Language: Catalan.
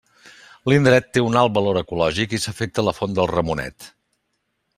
L'indret té un alt valor ecològic i s'afecta la font del Ramonet.